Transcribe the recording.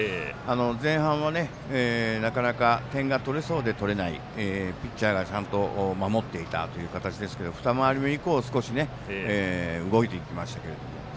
前半、なかなか点が取れそうで取れないピッチャーがちゃんと守っていたという形ですけど２回り目以降少し動いていきましたけども。